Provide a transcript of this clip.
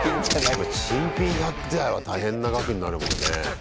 新品１００台は大変な額になるもんね。